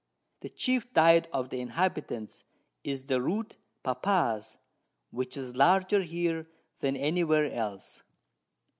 The chief Diet of the Inhabitants is the Root Papas, which is larger here than any where else.